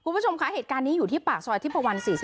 คุณผู้ชมค่าเหตุการณ์นี้อยู่ที่ป่าสอยธิปวัล๔๑